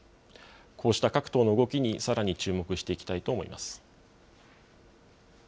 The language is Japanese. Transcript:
こうした各党の動きにさらに注目していきたいと思います。